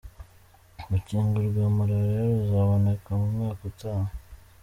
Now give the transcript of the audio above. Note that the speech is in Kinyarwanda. Urukingo rwa malariya ruzaboneka mu mwaka Utaha